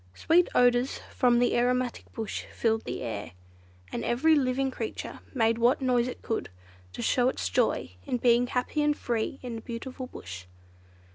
Sweet odours from the aromatic bush filled the air, and every living creature made what noise it could, to show its joy in being happy and free in the beautiful Bush.